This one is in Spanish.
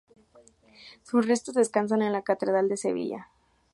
Sus restos descansan en la Catedral de Sevilla.